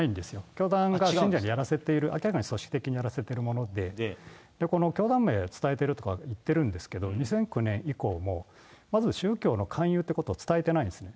教団が信者にやらせている、明らかに組織的にやらせているもので、この教団名伝えてるとか言ってるんですけれども、２００９年以降も、まず宗教の勧誘ということを伝えてないんですね。